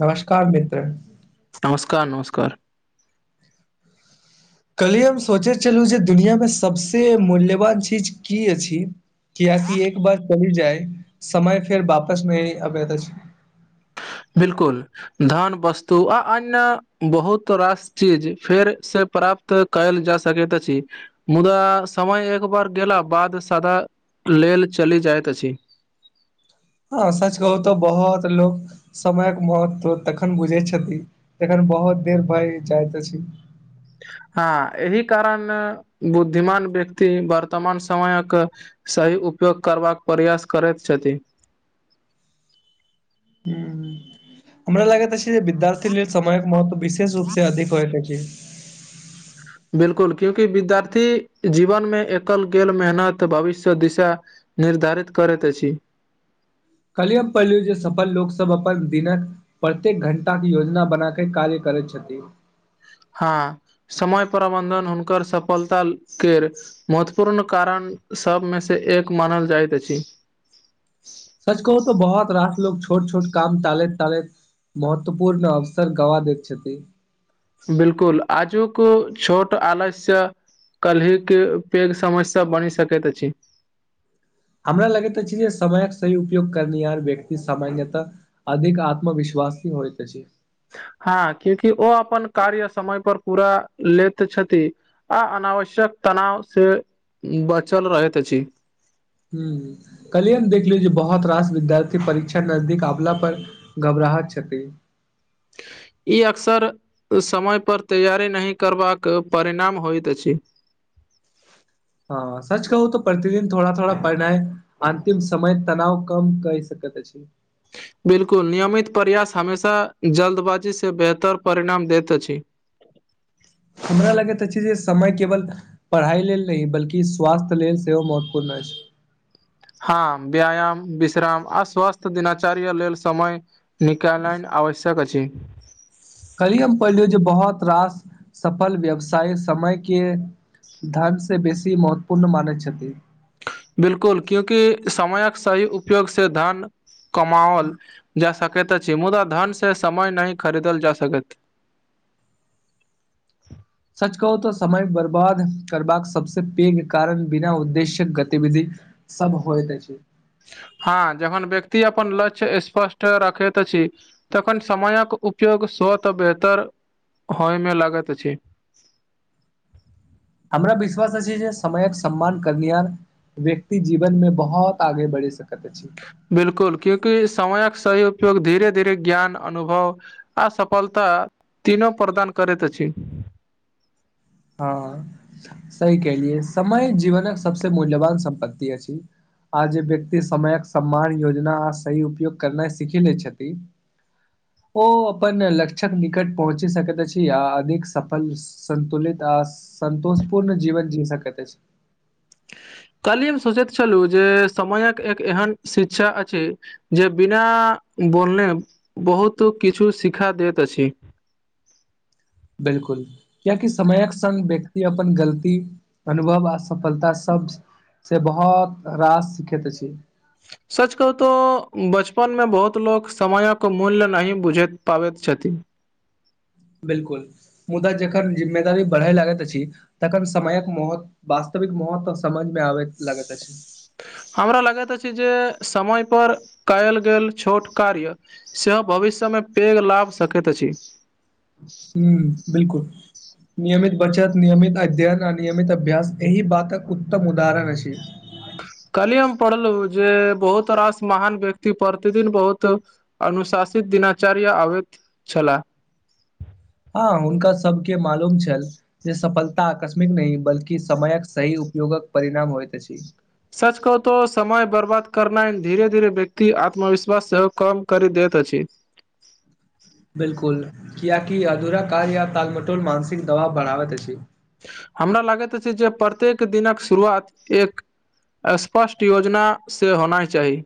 नमस्कार मित्र नमस्कार नमस्कार कल्हि हम सोचे छलू जे दुनियामे सबसे मूल्यवान चीज की अछि किएकि एक बार पहिर जाय समय फेर वापस नहि अब्यत अछि बिलकुल धन वस्तु आ अन्य बहुत रास चीज फेर से प्राप्त तऽ कैल जा सकैत अछि मुद्दा समय एक बार गेला बाद सदा लेल चली जाइत अछि हँ सच कहू तऽ बहुत लोक समयक महत्व तखन बुझै छथि तखन बहुत देर भय जाइत अछि हँ एहि कारण बुद्धिमान व्यक्ति वर्तमान समयक सही उपयोग करबाक प्रयास करैत छथि हूँ हमरा लागैत अछि जे विद्यार्थी लेल समयक महत्व विशेष रूप से अधिक होइत अछि बिलकुल क्यूंकि विद्यार्थी जीवनमे एकल गेल मेहनत भविष्य दिशा निर्धारित करैत अछि कल्हि हम पढ़लहुँ जे सफल लोक सब अपन दिनक प्रत्येक घंटा के योजना बना के कार्य करै छथिन हँ समय प्रबन्धन हुनकर सफलता केर महत्वपूर्ण कारण सब मे से एक मानल जाइत अछि सच कहू तो बहुत रास लोग छोट छोट काम टालति टालति महत्वपूर्ण अवसर गवा दति छथि बिलकुल आजूक छोट आलस्य कल्हि के पघि समस्या बनि सकति अछि हमरा लगति छै जे समयक सही उपयोग करनिहार व्यक्ति सामान्यतह अधिक आत्मविश्वासी होइत अछि हँ क्यूकि ओ अपन कार्य समय पर पूरा लेति छथि आ अनावश्यक तनाव से बचल रहति अछि हूं कल्हिये हम देखली जे बहुत रास विद्यार्थी परीक्षा नजदीक आवला पर घबराहट छथि ई अक्सर समयपर तैयारी नहि करबाक परिणाम होइत अछि हँ सच कहू तऽ प्रतिदिन थोड़ा थोड़ा बढ़नाइ अन्तिम समय तनाव कम कै सकति अछि बिलकुल नियमित प्रयास हमेशा जल्दबाजी से बेहतर परिणाम देत अछि हमरा लगति अछि जे समय केवल पढ़ाइ लेल नहि बल्कि स्वास्थ्य लेल सेहो महत्वपूर्ण अछि हँ व्यायाम विश्राम आ स्वस्थ दिनाचार्या लेल समय निकालन आवश्यक अछि कल्ही हम पढ़लि जे बहुत रास सफल व्यवसाय समय के धर्म से बेसी महत्वपूर्ण मानै छथिन बिलकुल क्यूकि समयक सही उपयोग से धन कमाओल जा सकति अछि मुदा धन से समय नहि खरीदल जा सकति सच कहू तऽ समय बर्बाद करबाक सबस पैघ कारण बिना उद्देश्यक गतिविधि सब होइत अछि हा जखन व्यक्ति अपन लक्ष्य स्पष्ट रखति अछि तखन समयक उपयोग स्वतः बेहतर होयमे लागति अछि हमरा विश्वास अछि जे समयक सम्मान करनिआर व्यक्ति जीवन मे बहोत आगे बढ़ि सकति अछि बिलकुल क्यूंकि समयक सही उपयोग धीरे धीरे ज्ञान अनुभव आ सफलता तीनो प्रदान करति अछि हँ सही केहलियै समय जीवनक सबस मूल्यवान सम्पत्ति अछि आ जे व्यक्ति समयक सम्मान योजना आ सही उपयोग करनाइ सीखी ले छथि ओ अपन लक्षक निकट पहुँची सकति अछि आ अधिक सफल सन्तुलित आ संतोष पूर्ण जीवन जी सकति अछि काल्हि हम सोचति छलहुँ जे समयक एक एहन शिक्षा अछि जे बिना बोलने बहुत किछु शिखा दति अछि बिलकुल कियाकि समयक संग व्यक्ति अपन गलती अनुभव आ सफलता सब से बहोत रास सिखेत अछि सच कहू तो बचपन मे बहुत लोक समयक मूल्य नहि बुझति पाबति छथिन बिलकुल मुदा जखन जिम्मेदारी बढ़इ लागति अछि तखन समयक महत्व वास्तविक महत्व समझमे आबति लगति अछि हमरा लगैत अछि जे समय पर कयल गेल छोट कार्य सेहो भविष्यमे पैघ लाभ सकैत अछि हुँ बिलकुल नियमित बचत नियमित अध्ययन आ नियमित अभ्यास एहि बातक उत्तम उदाहरण अछि कहली हम पढ़लहु जे बहुत रास महान व्यक्ति प्रतिदिन बहुत अनुशासित दिनाचार्य अबैत छला हँ हुनका सबके मालूम छल जे सफलता आकस्मिक नहि बल्कि समयक सही उपयोगक परिणाम होइत अछि सच कहु तो समय बर्बाद करनाइ धीरे धीरे व्यक्ति आत्मविश्वास सेहो कम करि दैत अछि बिलकुल कियाकि अधूरा कार्य या तालमटोल मानसिक दबाव बढ़ाबैत अछि हमरा लागैत अछि जे प्रत्येक दिनक शुरुआत एक स्पष्ट योजना से होनाइ चाही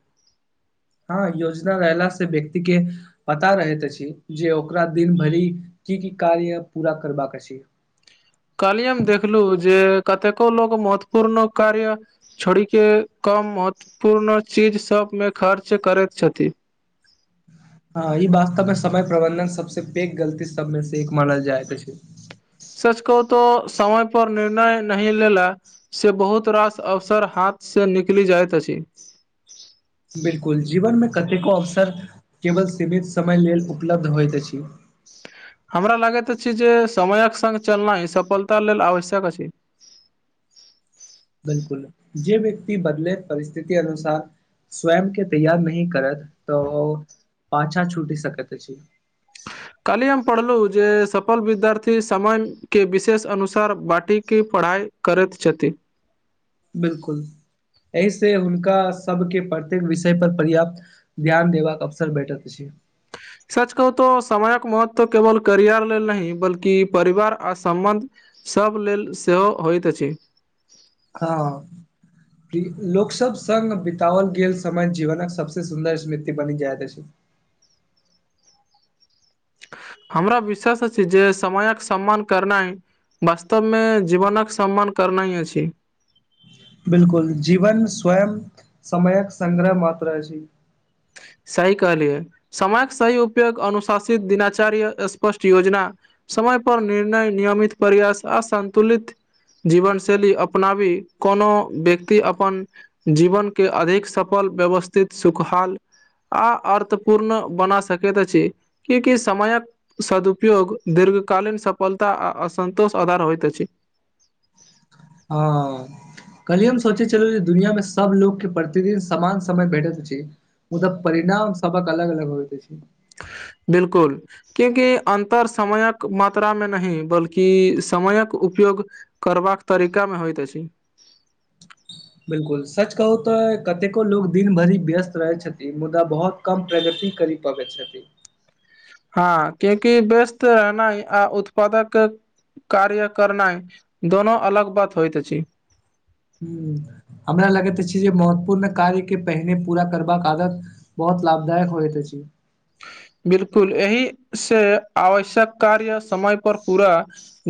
हँ योजना रहला से व्यक्ति केँ पता रहैत अछि जे ओकरा दिन भरि की की कार्य पूरा करबाक अछि काल्हि हम देखलहु जे कतेको लोक महत्वपूर्ण कार्य छोड़ि केँ कम महत्वपूर्ण चीज सभमे खर्च करैत छथि हँ ई वास्तव मे समय प्रबंधन सबसे पैघ गलती सबमे से एक मानल जाइत अछि सच कहू तो समय पर निर्णय नहि लेला से बहुत रास अवसर हाथ से निकलि जाइत अछि बिल्कुल जीवन मे कतेको अवसर केवल सीमित समय लेल उपलब्ध होइत अछि। हमरा लागैत अछि जे समयक संग चलनाइ सफलता लेल आवश्यक अछि। बिलकुल जे व्यक्ति बदलैत परिस्थिति अनुसार। स्वयं केँ तैयार नही करत तऽ ओ पाछा छूटि सकैत अछि। काल्हि हम पढ़लहुँ जे सफल विद्यार्थी समयके विशेष अनुसार बाटिक। की पढ़ाइ करैत छथि। बिलकुल एहि से हुनका सबके प्रत्येक विषय पर पर्याप्त। ध्यान देबाक अवसर भेटत अछि सच कहू तो समयक महत्व केवल करियर लेल नहि बल्कि परिवार आ सम्बन्ध। सभ लेल सेहो होइत अछि। हँ। की लोक सब सग बितओल गेल समान जीवनक सबसे सुन्दर स्मृति बनि जायइत अछि। हमरा विश्वास अछि जे समयक सम्मान करनाइ। वास्तवमे जीवनक सम्मान करनाइ अछि। बिलकुल जीवन स्वयं समयक संग्रह मात अछि सही कहलियै समयक सही उपयोग अनुशासित दिनाचार्य स्पष्ट योजना। समय पर निर्णय नियमित प्रयास आ सन्तुलित। जीवन शैली अपनाबी कोनो व्यक्ति अपन। जीवनक केँ अधिक सफल व्यवस्थित सुखहाल। आ अर्थ पूर्ण बना सकैत अछि की की समायक। सदुपयोग दीर्घकालीन सफलता आ असन्तोष आधार होइत अछि। हँ कल्हि हम सोचे छलू जे दुनियामे सब लोको केँ प्रतिदिन समान समय भेटैत अछि मुदा परिणाम सबहक अलग अलग होइत अछि बिलकुल। क्यूकि अन्तर समयक मात्रामे नहि बल्कि समयक उपयोग। करबाक तरीका मे होयइत अछि बिलकुल सच कहु तऽ कतेको लोग दिन भरि व्यस्त रहै छथिन मुद्दा बहुत कम प्रगति करी [inaudible] हँ क्यूंकि व्यस्त अनाइ आ उत्पादक कार्य करनाइ दोनो अलग बात होइत अछि ह हमरा लगैत अछि जे महत्वपूर्ण कार्य के पहिने पूरा करबाक आदत बहुत लाभदायक होए त अछि बिलकुल एहि से आवश्यक कार्य समय पर पूरा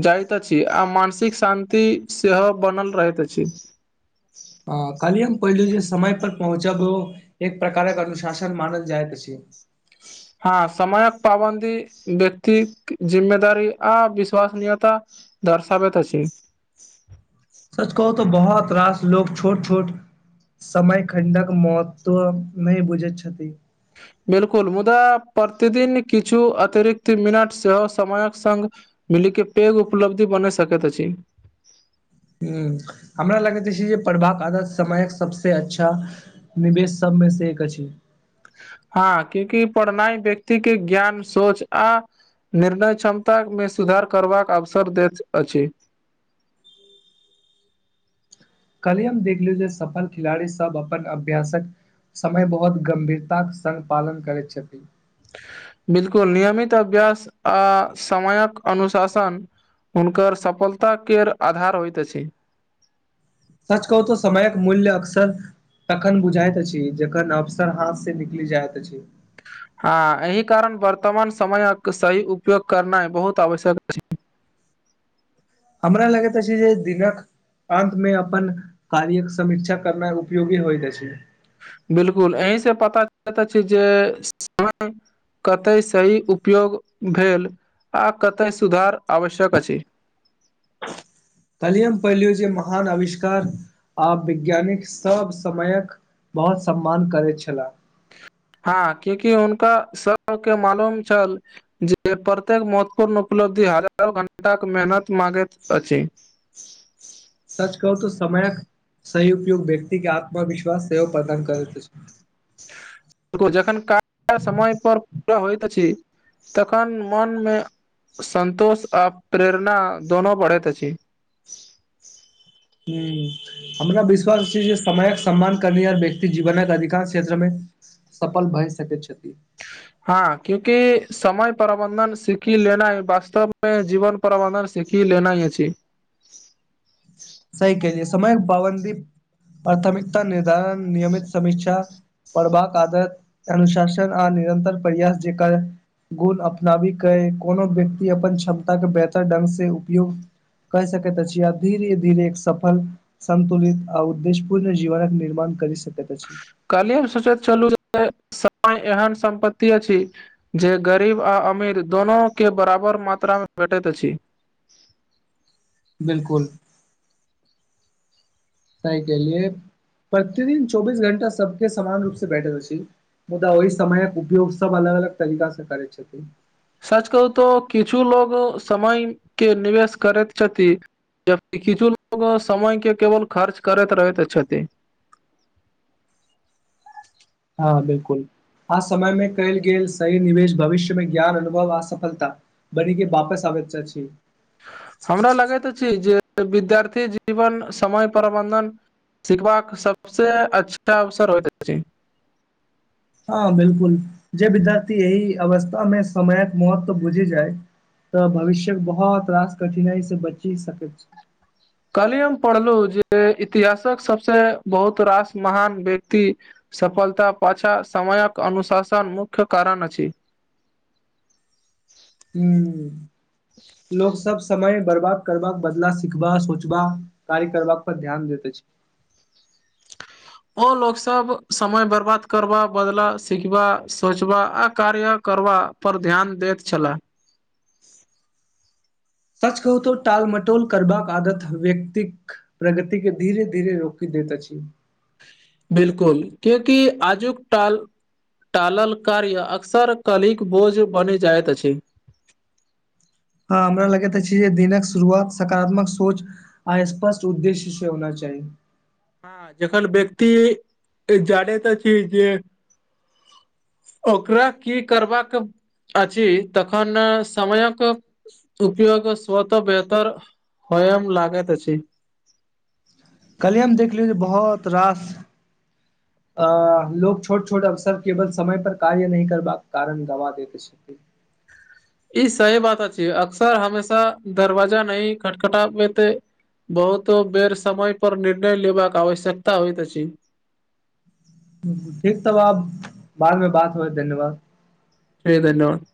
जाइत अछि आ मानसिक शान्ति सेहो बनल रहैत अछि अ कल्हि हम पहिल जे समय पर पहुँचब एक प्रकारक अनुशासन मानल जाइत अछि हाँ समयक पाबन्दी व्यक्ति जिम्मेदारी आ विश्वसनीयता दर्शाबैत अछि सच कहू तो बहुत रास लोग छोट छोट समय खण्डक महत्व नहि बुझैत छथि बिलकुल मुद्दा प्रतिदिन किछु अतिरिक्त मिनट सेहो समयक संग मिली के पैघ उपलब्धि बन सकैत अछि हमरा लगैत अछि जे पढ़बाक आदत समयक सबस अच्छा निवेश सबमे से एक अछि हँ क्यूकि पढ़नाइ व्यक्ति के ज्ञान सोच आ निर्णय क्षमता मे सुधार करबाक अवसर दैत अछि कल्हि हम देखलिय जे सफल खिलाड़ी सब अपन अभ्यासक समय बहुत गम्भीरताक संग पालन करैत छथि बिलकुल नियमित अभ्यास आ समयक अनुशासन हुनकर सफलताक के आधार होइत अछि सच कहू तऽ समयक मूल्य अकसर तखन बुझाइत अछि जखन अफसर हाथ से निकलि जाइत अछि हँ एहि कारण वर्तमान समयक सही उपयोग करनाए बहुत आवश्यक अछि हमरा लगैत अछि जे दिनक अंत मे अपन कार्यके समीक्षा करनाइ उपयोगी होइत अछि बिलकुल एहि से पता चलैत अछि जे [inaudible] समय कतय सही उपयोग भेल आ कतय सुधार आवश्यक अछि कल्हि हम पढ़लहुँ जे महान अविष्कार आ वैज्ञानिक सब समयक बहुत सम्मान करैत छलाह हँ क्यूकि हुनका सबके मालूम छल जे प्रत्येक महत्वपूर्ण उपलब्धि हजारो घंटाक मेहनत माँगैत अछि सच कहू त समयक सही उपयोग व्यक्ति के आत्मविश्वास सेहोव प्रदान करैत अछि [inaudible] जखन [inaudible] समय पर पूरा होइत अछि तखन मनमे संन्तोष आ प्रेरणा दोनो बढ़ैत अछि हूँ [inaudible] हमरा विश्वास अछि जे समयक सम्मान कर निआर व्यक्ति जीवनक अधिकांश क्षेत्रमे सफल भए सकै छथि हँ क्यूकि समय प्रबंधन सीखि लेनाइ वास्तव मे जीवन प्रबंधन सिखी लेनाइ अछि सही केहलिए समय पाबन्दी प्राथमिकता निर्धारण नियमित समीक्षा पढ़बाक आदत अनुशासन आ निरन्तर प्रयास जेकर गुण अपनाबी क कोनो व्यक्ति अपन क्षमता के बेहतर ढंग से उपयोग। कहि सकैत त छियै आब धीरे। धर एक सफल सन्तुलित आ उद्देश पूर्ण जीवनक निर्माण करे सकैत अछि। कली हम सोचैत छलू जे समय एहन सम्प्ति अछि। जे गरीब आ अमीर दोनोके बराबर मात्रामे भेटैत अछि। बिलकुल। [unintelligible] प्रतिदिन चौबीस घंटा सबके समान रूप से भेटल अछि मुदा ओहि समयक उभी सब अलग अलग तरीकास से करै छथि। सच कहू तऽ किछु लोगो समय के निवेश करैत छथि। जबकि किछु लो समयके केवल खर्च करैत रहैत छथी हँ बिलकुल। आ समय मे कयल गेल सही निवेश भविष्य मे ज्ञान अनुभव आ सफलता। बैरके वापस आबै चा छी। हमरा लगैत अछि जे विद्यार्थी जीवन समय प्रबंधन। सिखबाक सबसँ अच्छा अवसर होइत अछी हँ बिलकुल जे विद्यार्थी एहि अवस्थामे समयक महत्व बुझि जाय तऽ भविष्य बहुत रास कठिनाइ से बची सकैत। कहली हम पढ़लहु जे इतिहासक सबसे बहुत रास महान व्यक्ति। सफलता पछा समायक अनुशासन मुख्य कारण अछि। हुॅं लोक सब समय बर्बाद करबा बदला सिखबा सोचबा। कारी करबाक पर ध्यान देत छै। ओ लोक सब समय बर्बाद करबा बदला सिखबा सोचबा आ कार्य करबा। पर ध्यान दैत छलाह। सच कहू तो टाल मटोल करबाक आदत व्यक्तिक। प्रगति के धीरे धीरे रोकि देैत अछि। बिलकुल क्यूकि आजुक टाल। टालल कार्य अक्सर कलीक बोझ बनि जाइत अछि। ह हमरा लगैत अछि जे दिनक शुरुआत सकारात्मक सोच। स्पष्ट उद्देश्य से होना चाही हँ जखन व्यक्ति जानैत अछी जे ओकरा की करबाक अछि तखन समयक उपयोग स्वतः बेतर होयम लागैत अछि कहलियै हम देखलियौ जे बहुत रास। अ लोग छोट छोट अवसर केवल समय पर कार्य नै करबाक कारण गवा देत छथि। ई सही बात अछ अक्सर हमेशा दरवाजा नही खटखटा पेते बहुतो बेर समय पर निर्णय लेबाक आवश्यकता होइत अछि। ठीक तब आब बादमे बात होइ धन्यवाद। [unintelligible] धन्यवाद